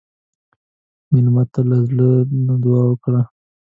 مېلمه ته له زړه نه دعا وکړه.